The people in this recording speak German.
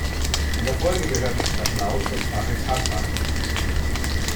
In der Folge gehörte Stadlau zur Pfarre Kagran.